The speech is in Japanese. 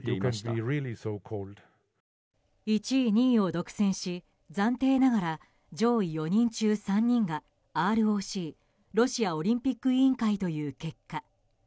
１位２位を独占し暫定ながら上位４人中３人がＲＯＣ・ロシアオリンピック委員会という結果。